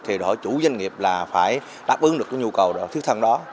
thì đòi hỏi chủ doanh nghiệp là phải đáp ứng được cái nhu cầu thiết thăng đó